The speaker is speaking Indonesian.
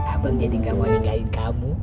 abang jadi gak mau nikahin kamu